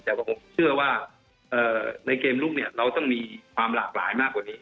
แต่ผมเชื่อว่าในเกมลุกเนี่ยเราต้องมีความหลากหลายมากกว่านี้